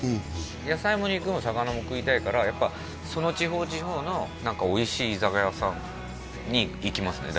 野菜も肉も魚も食いたいからやっぱその地方地方のおいしい居酒屋さんに行きますね